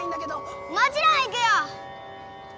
もちろん行くよ！